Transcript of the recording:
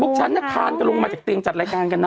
ฉันทานกันลงมาจากเตียงจัดรายการกันนะ